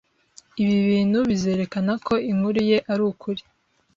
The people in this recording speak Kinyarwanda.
Ibi bintu bizerekana ko inkuru ye ari ukuri